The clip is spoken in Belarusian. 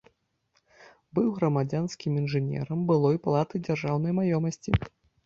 Быў грамадзянскім інжынерам былой палаты дзяржаўнай маёмасці.